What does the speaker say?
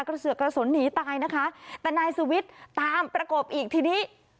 เสือกกระสุนหนีตายนะคะแต่นายสุวิทย์ตามประกบอีกทีนี้